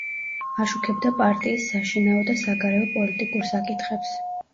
აშუქებდა პარტიის საშინაო და საგარეო პოლიტიკურ საკითხებს.